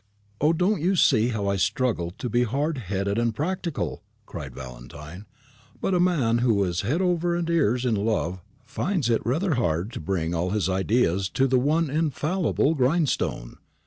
"O, don't you see how I struggle to be hard headed and practical!" cried Valentine; "but a man who is over head and ears in love finds it rather hard to bring all his ideas to the one infallible grindstone.